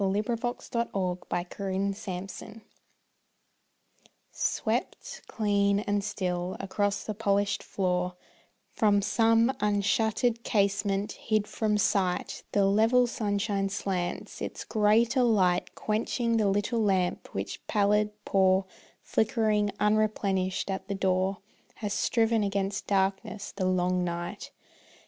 On Carpaccio's Picture: The Dream of St. Ursula Swept, clean, and still, across the polished floor From some unshuttered casement, hid from sight, The level sunshine slants, its greater light Quenching the little lamp which pallid, poor, Flickering, unreplenished, at the door Has striven against darkness the long night.